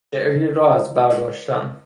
شعری را از بر داشتن